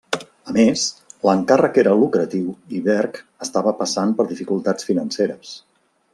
A més, l'encàrrec era lucratiu i Berg estava passant per dificultats financeres.